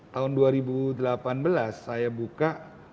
tahun dua ribu delapan belas saya buka